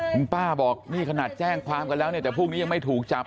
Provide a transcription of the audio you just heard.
คุณป้าบอกนี่ขนาดแจ้งความกันแล้วเนี่ยแต่พวกนี้ยังไม่ถูกจับ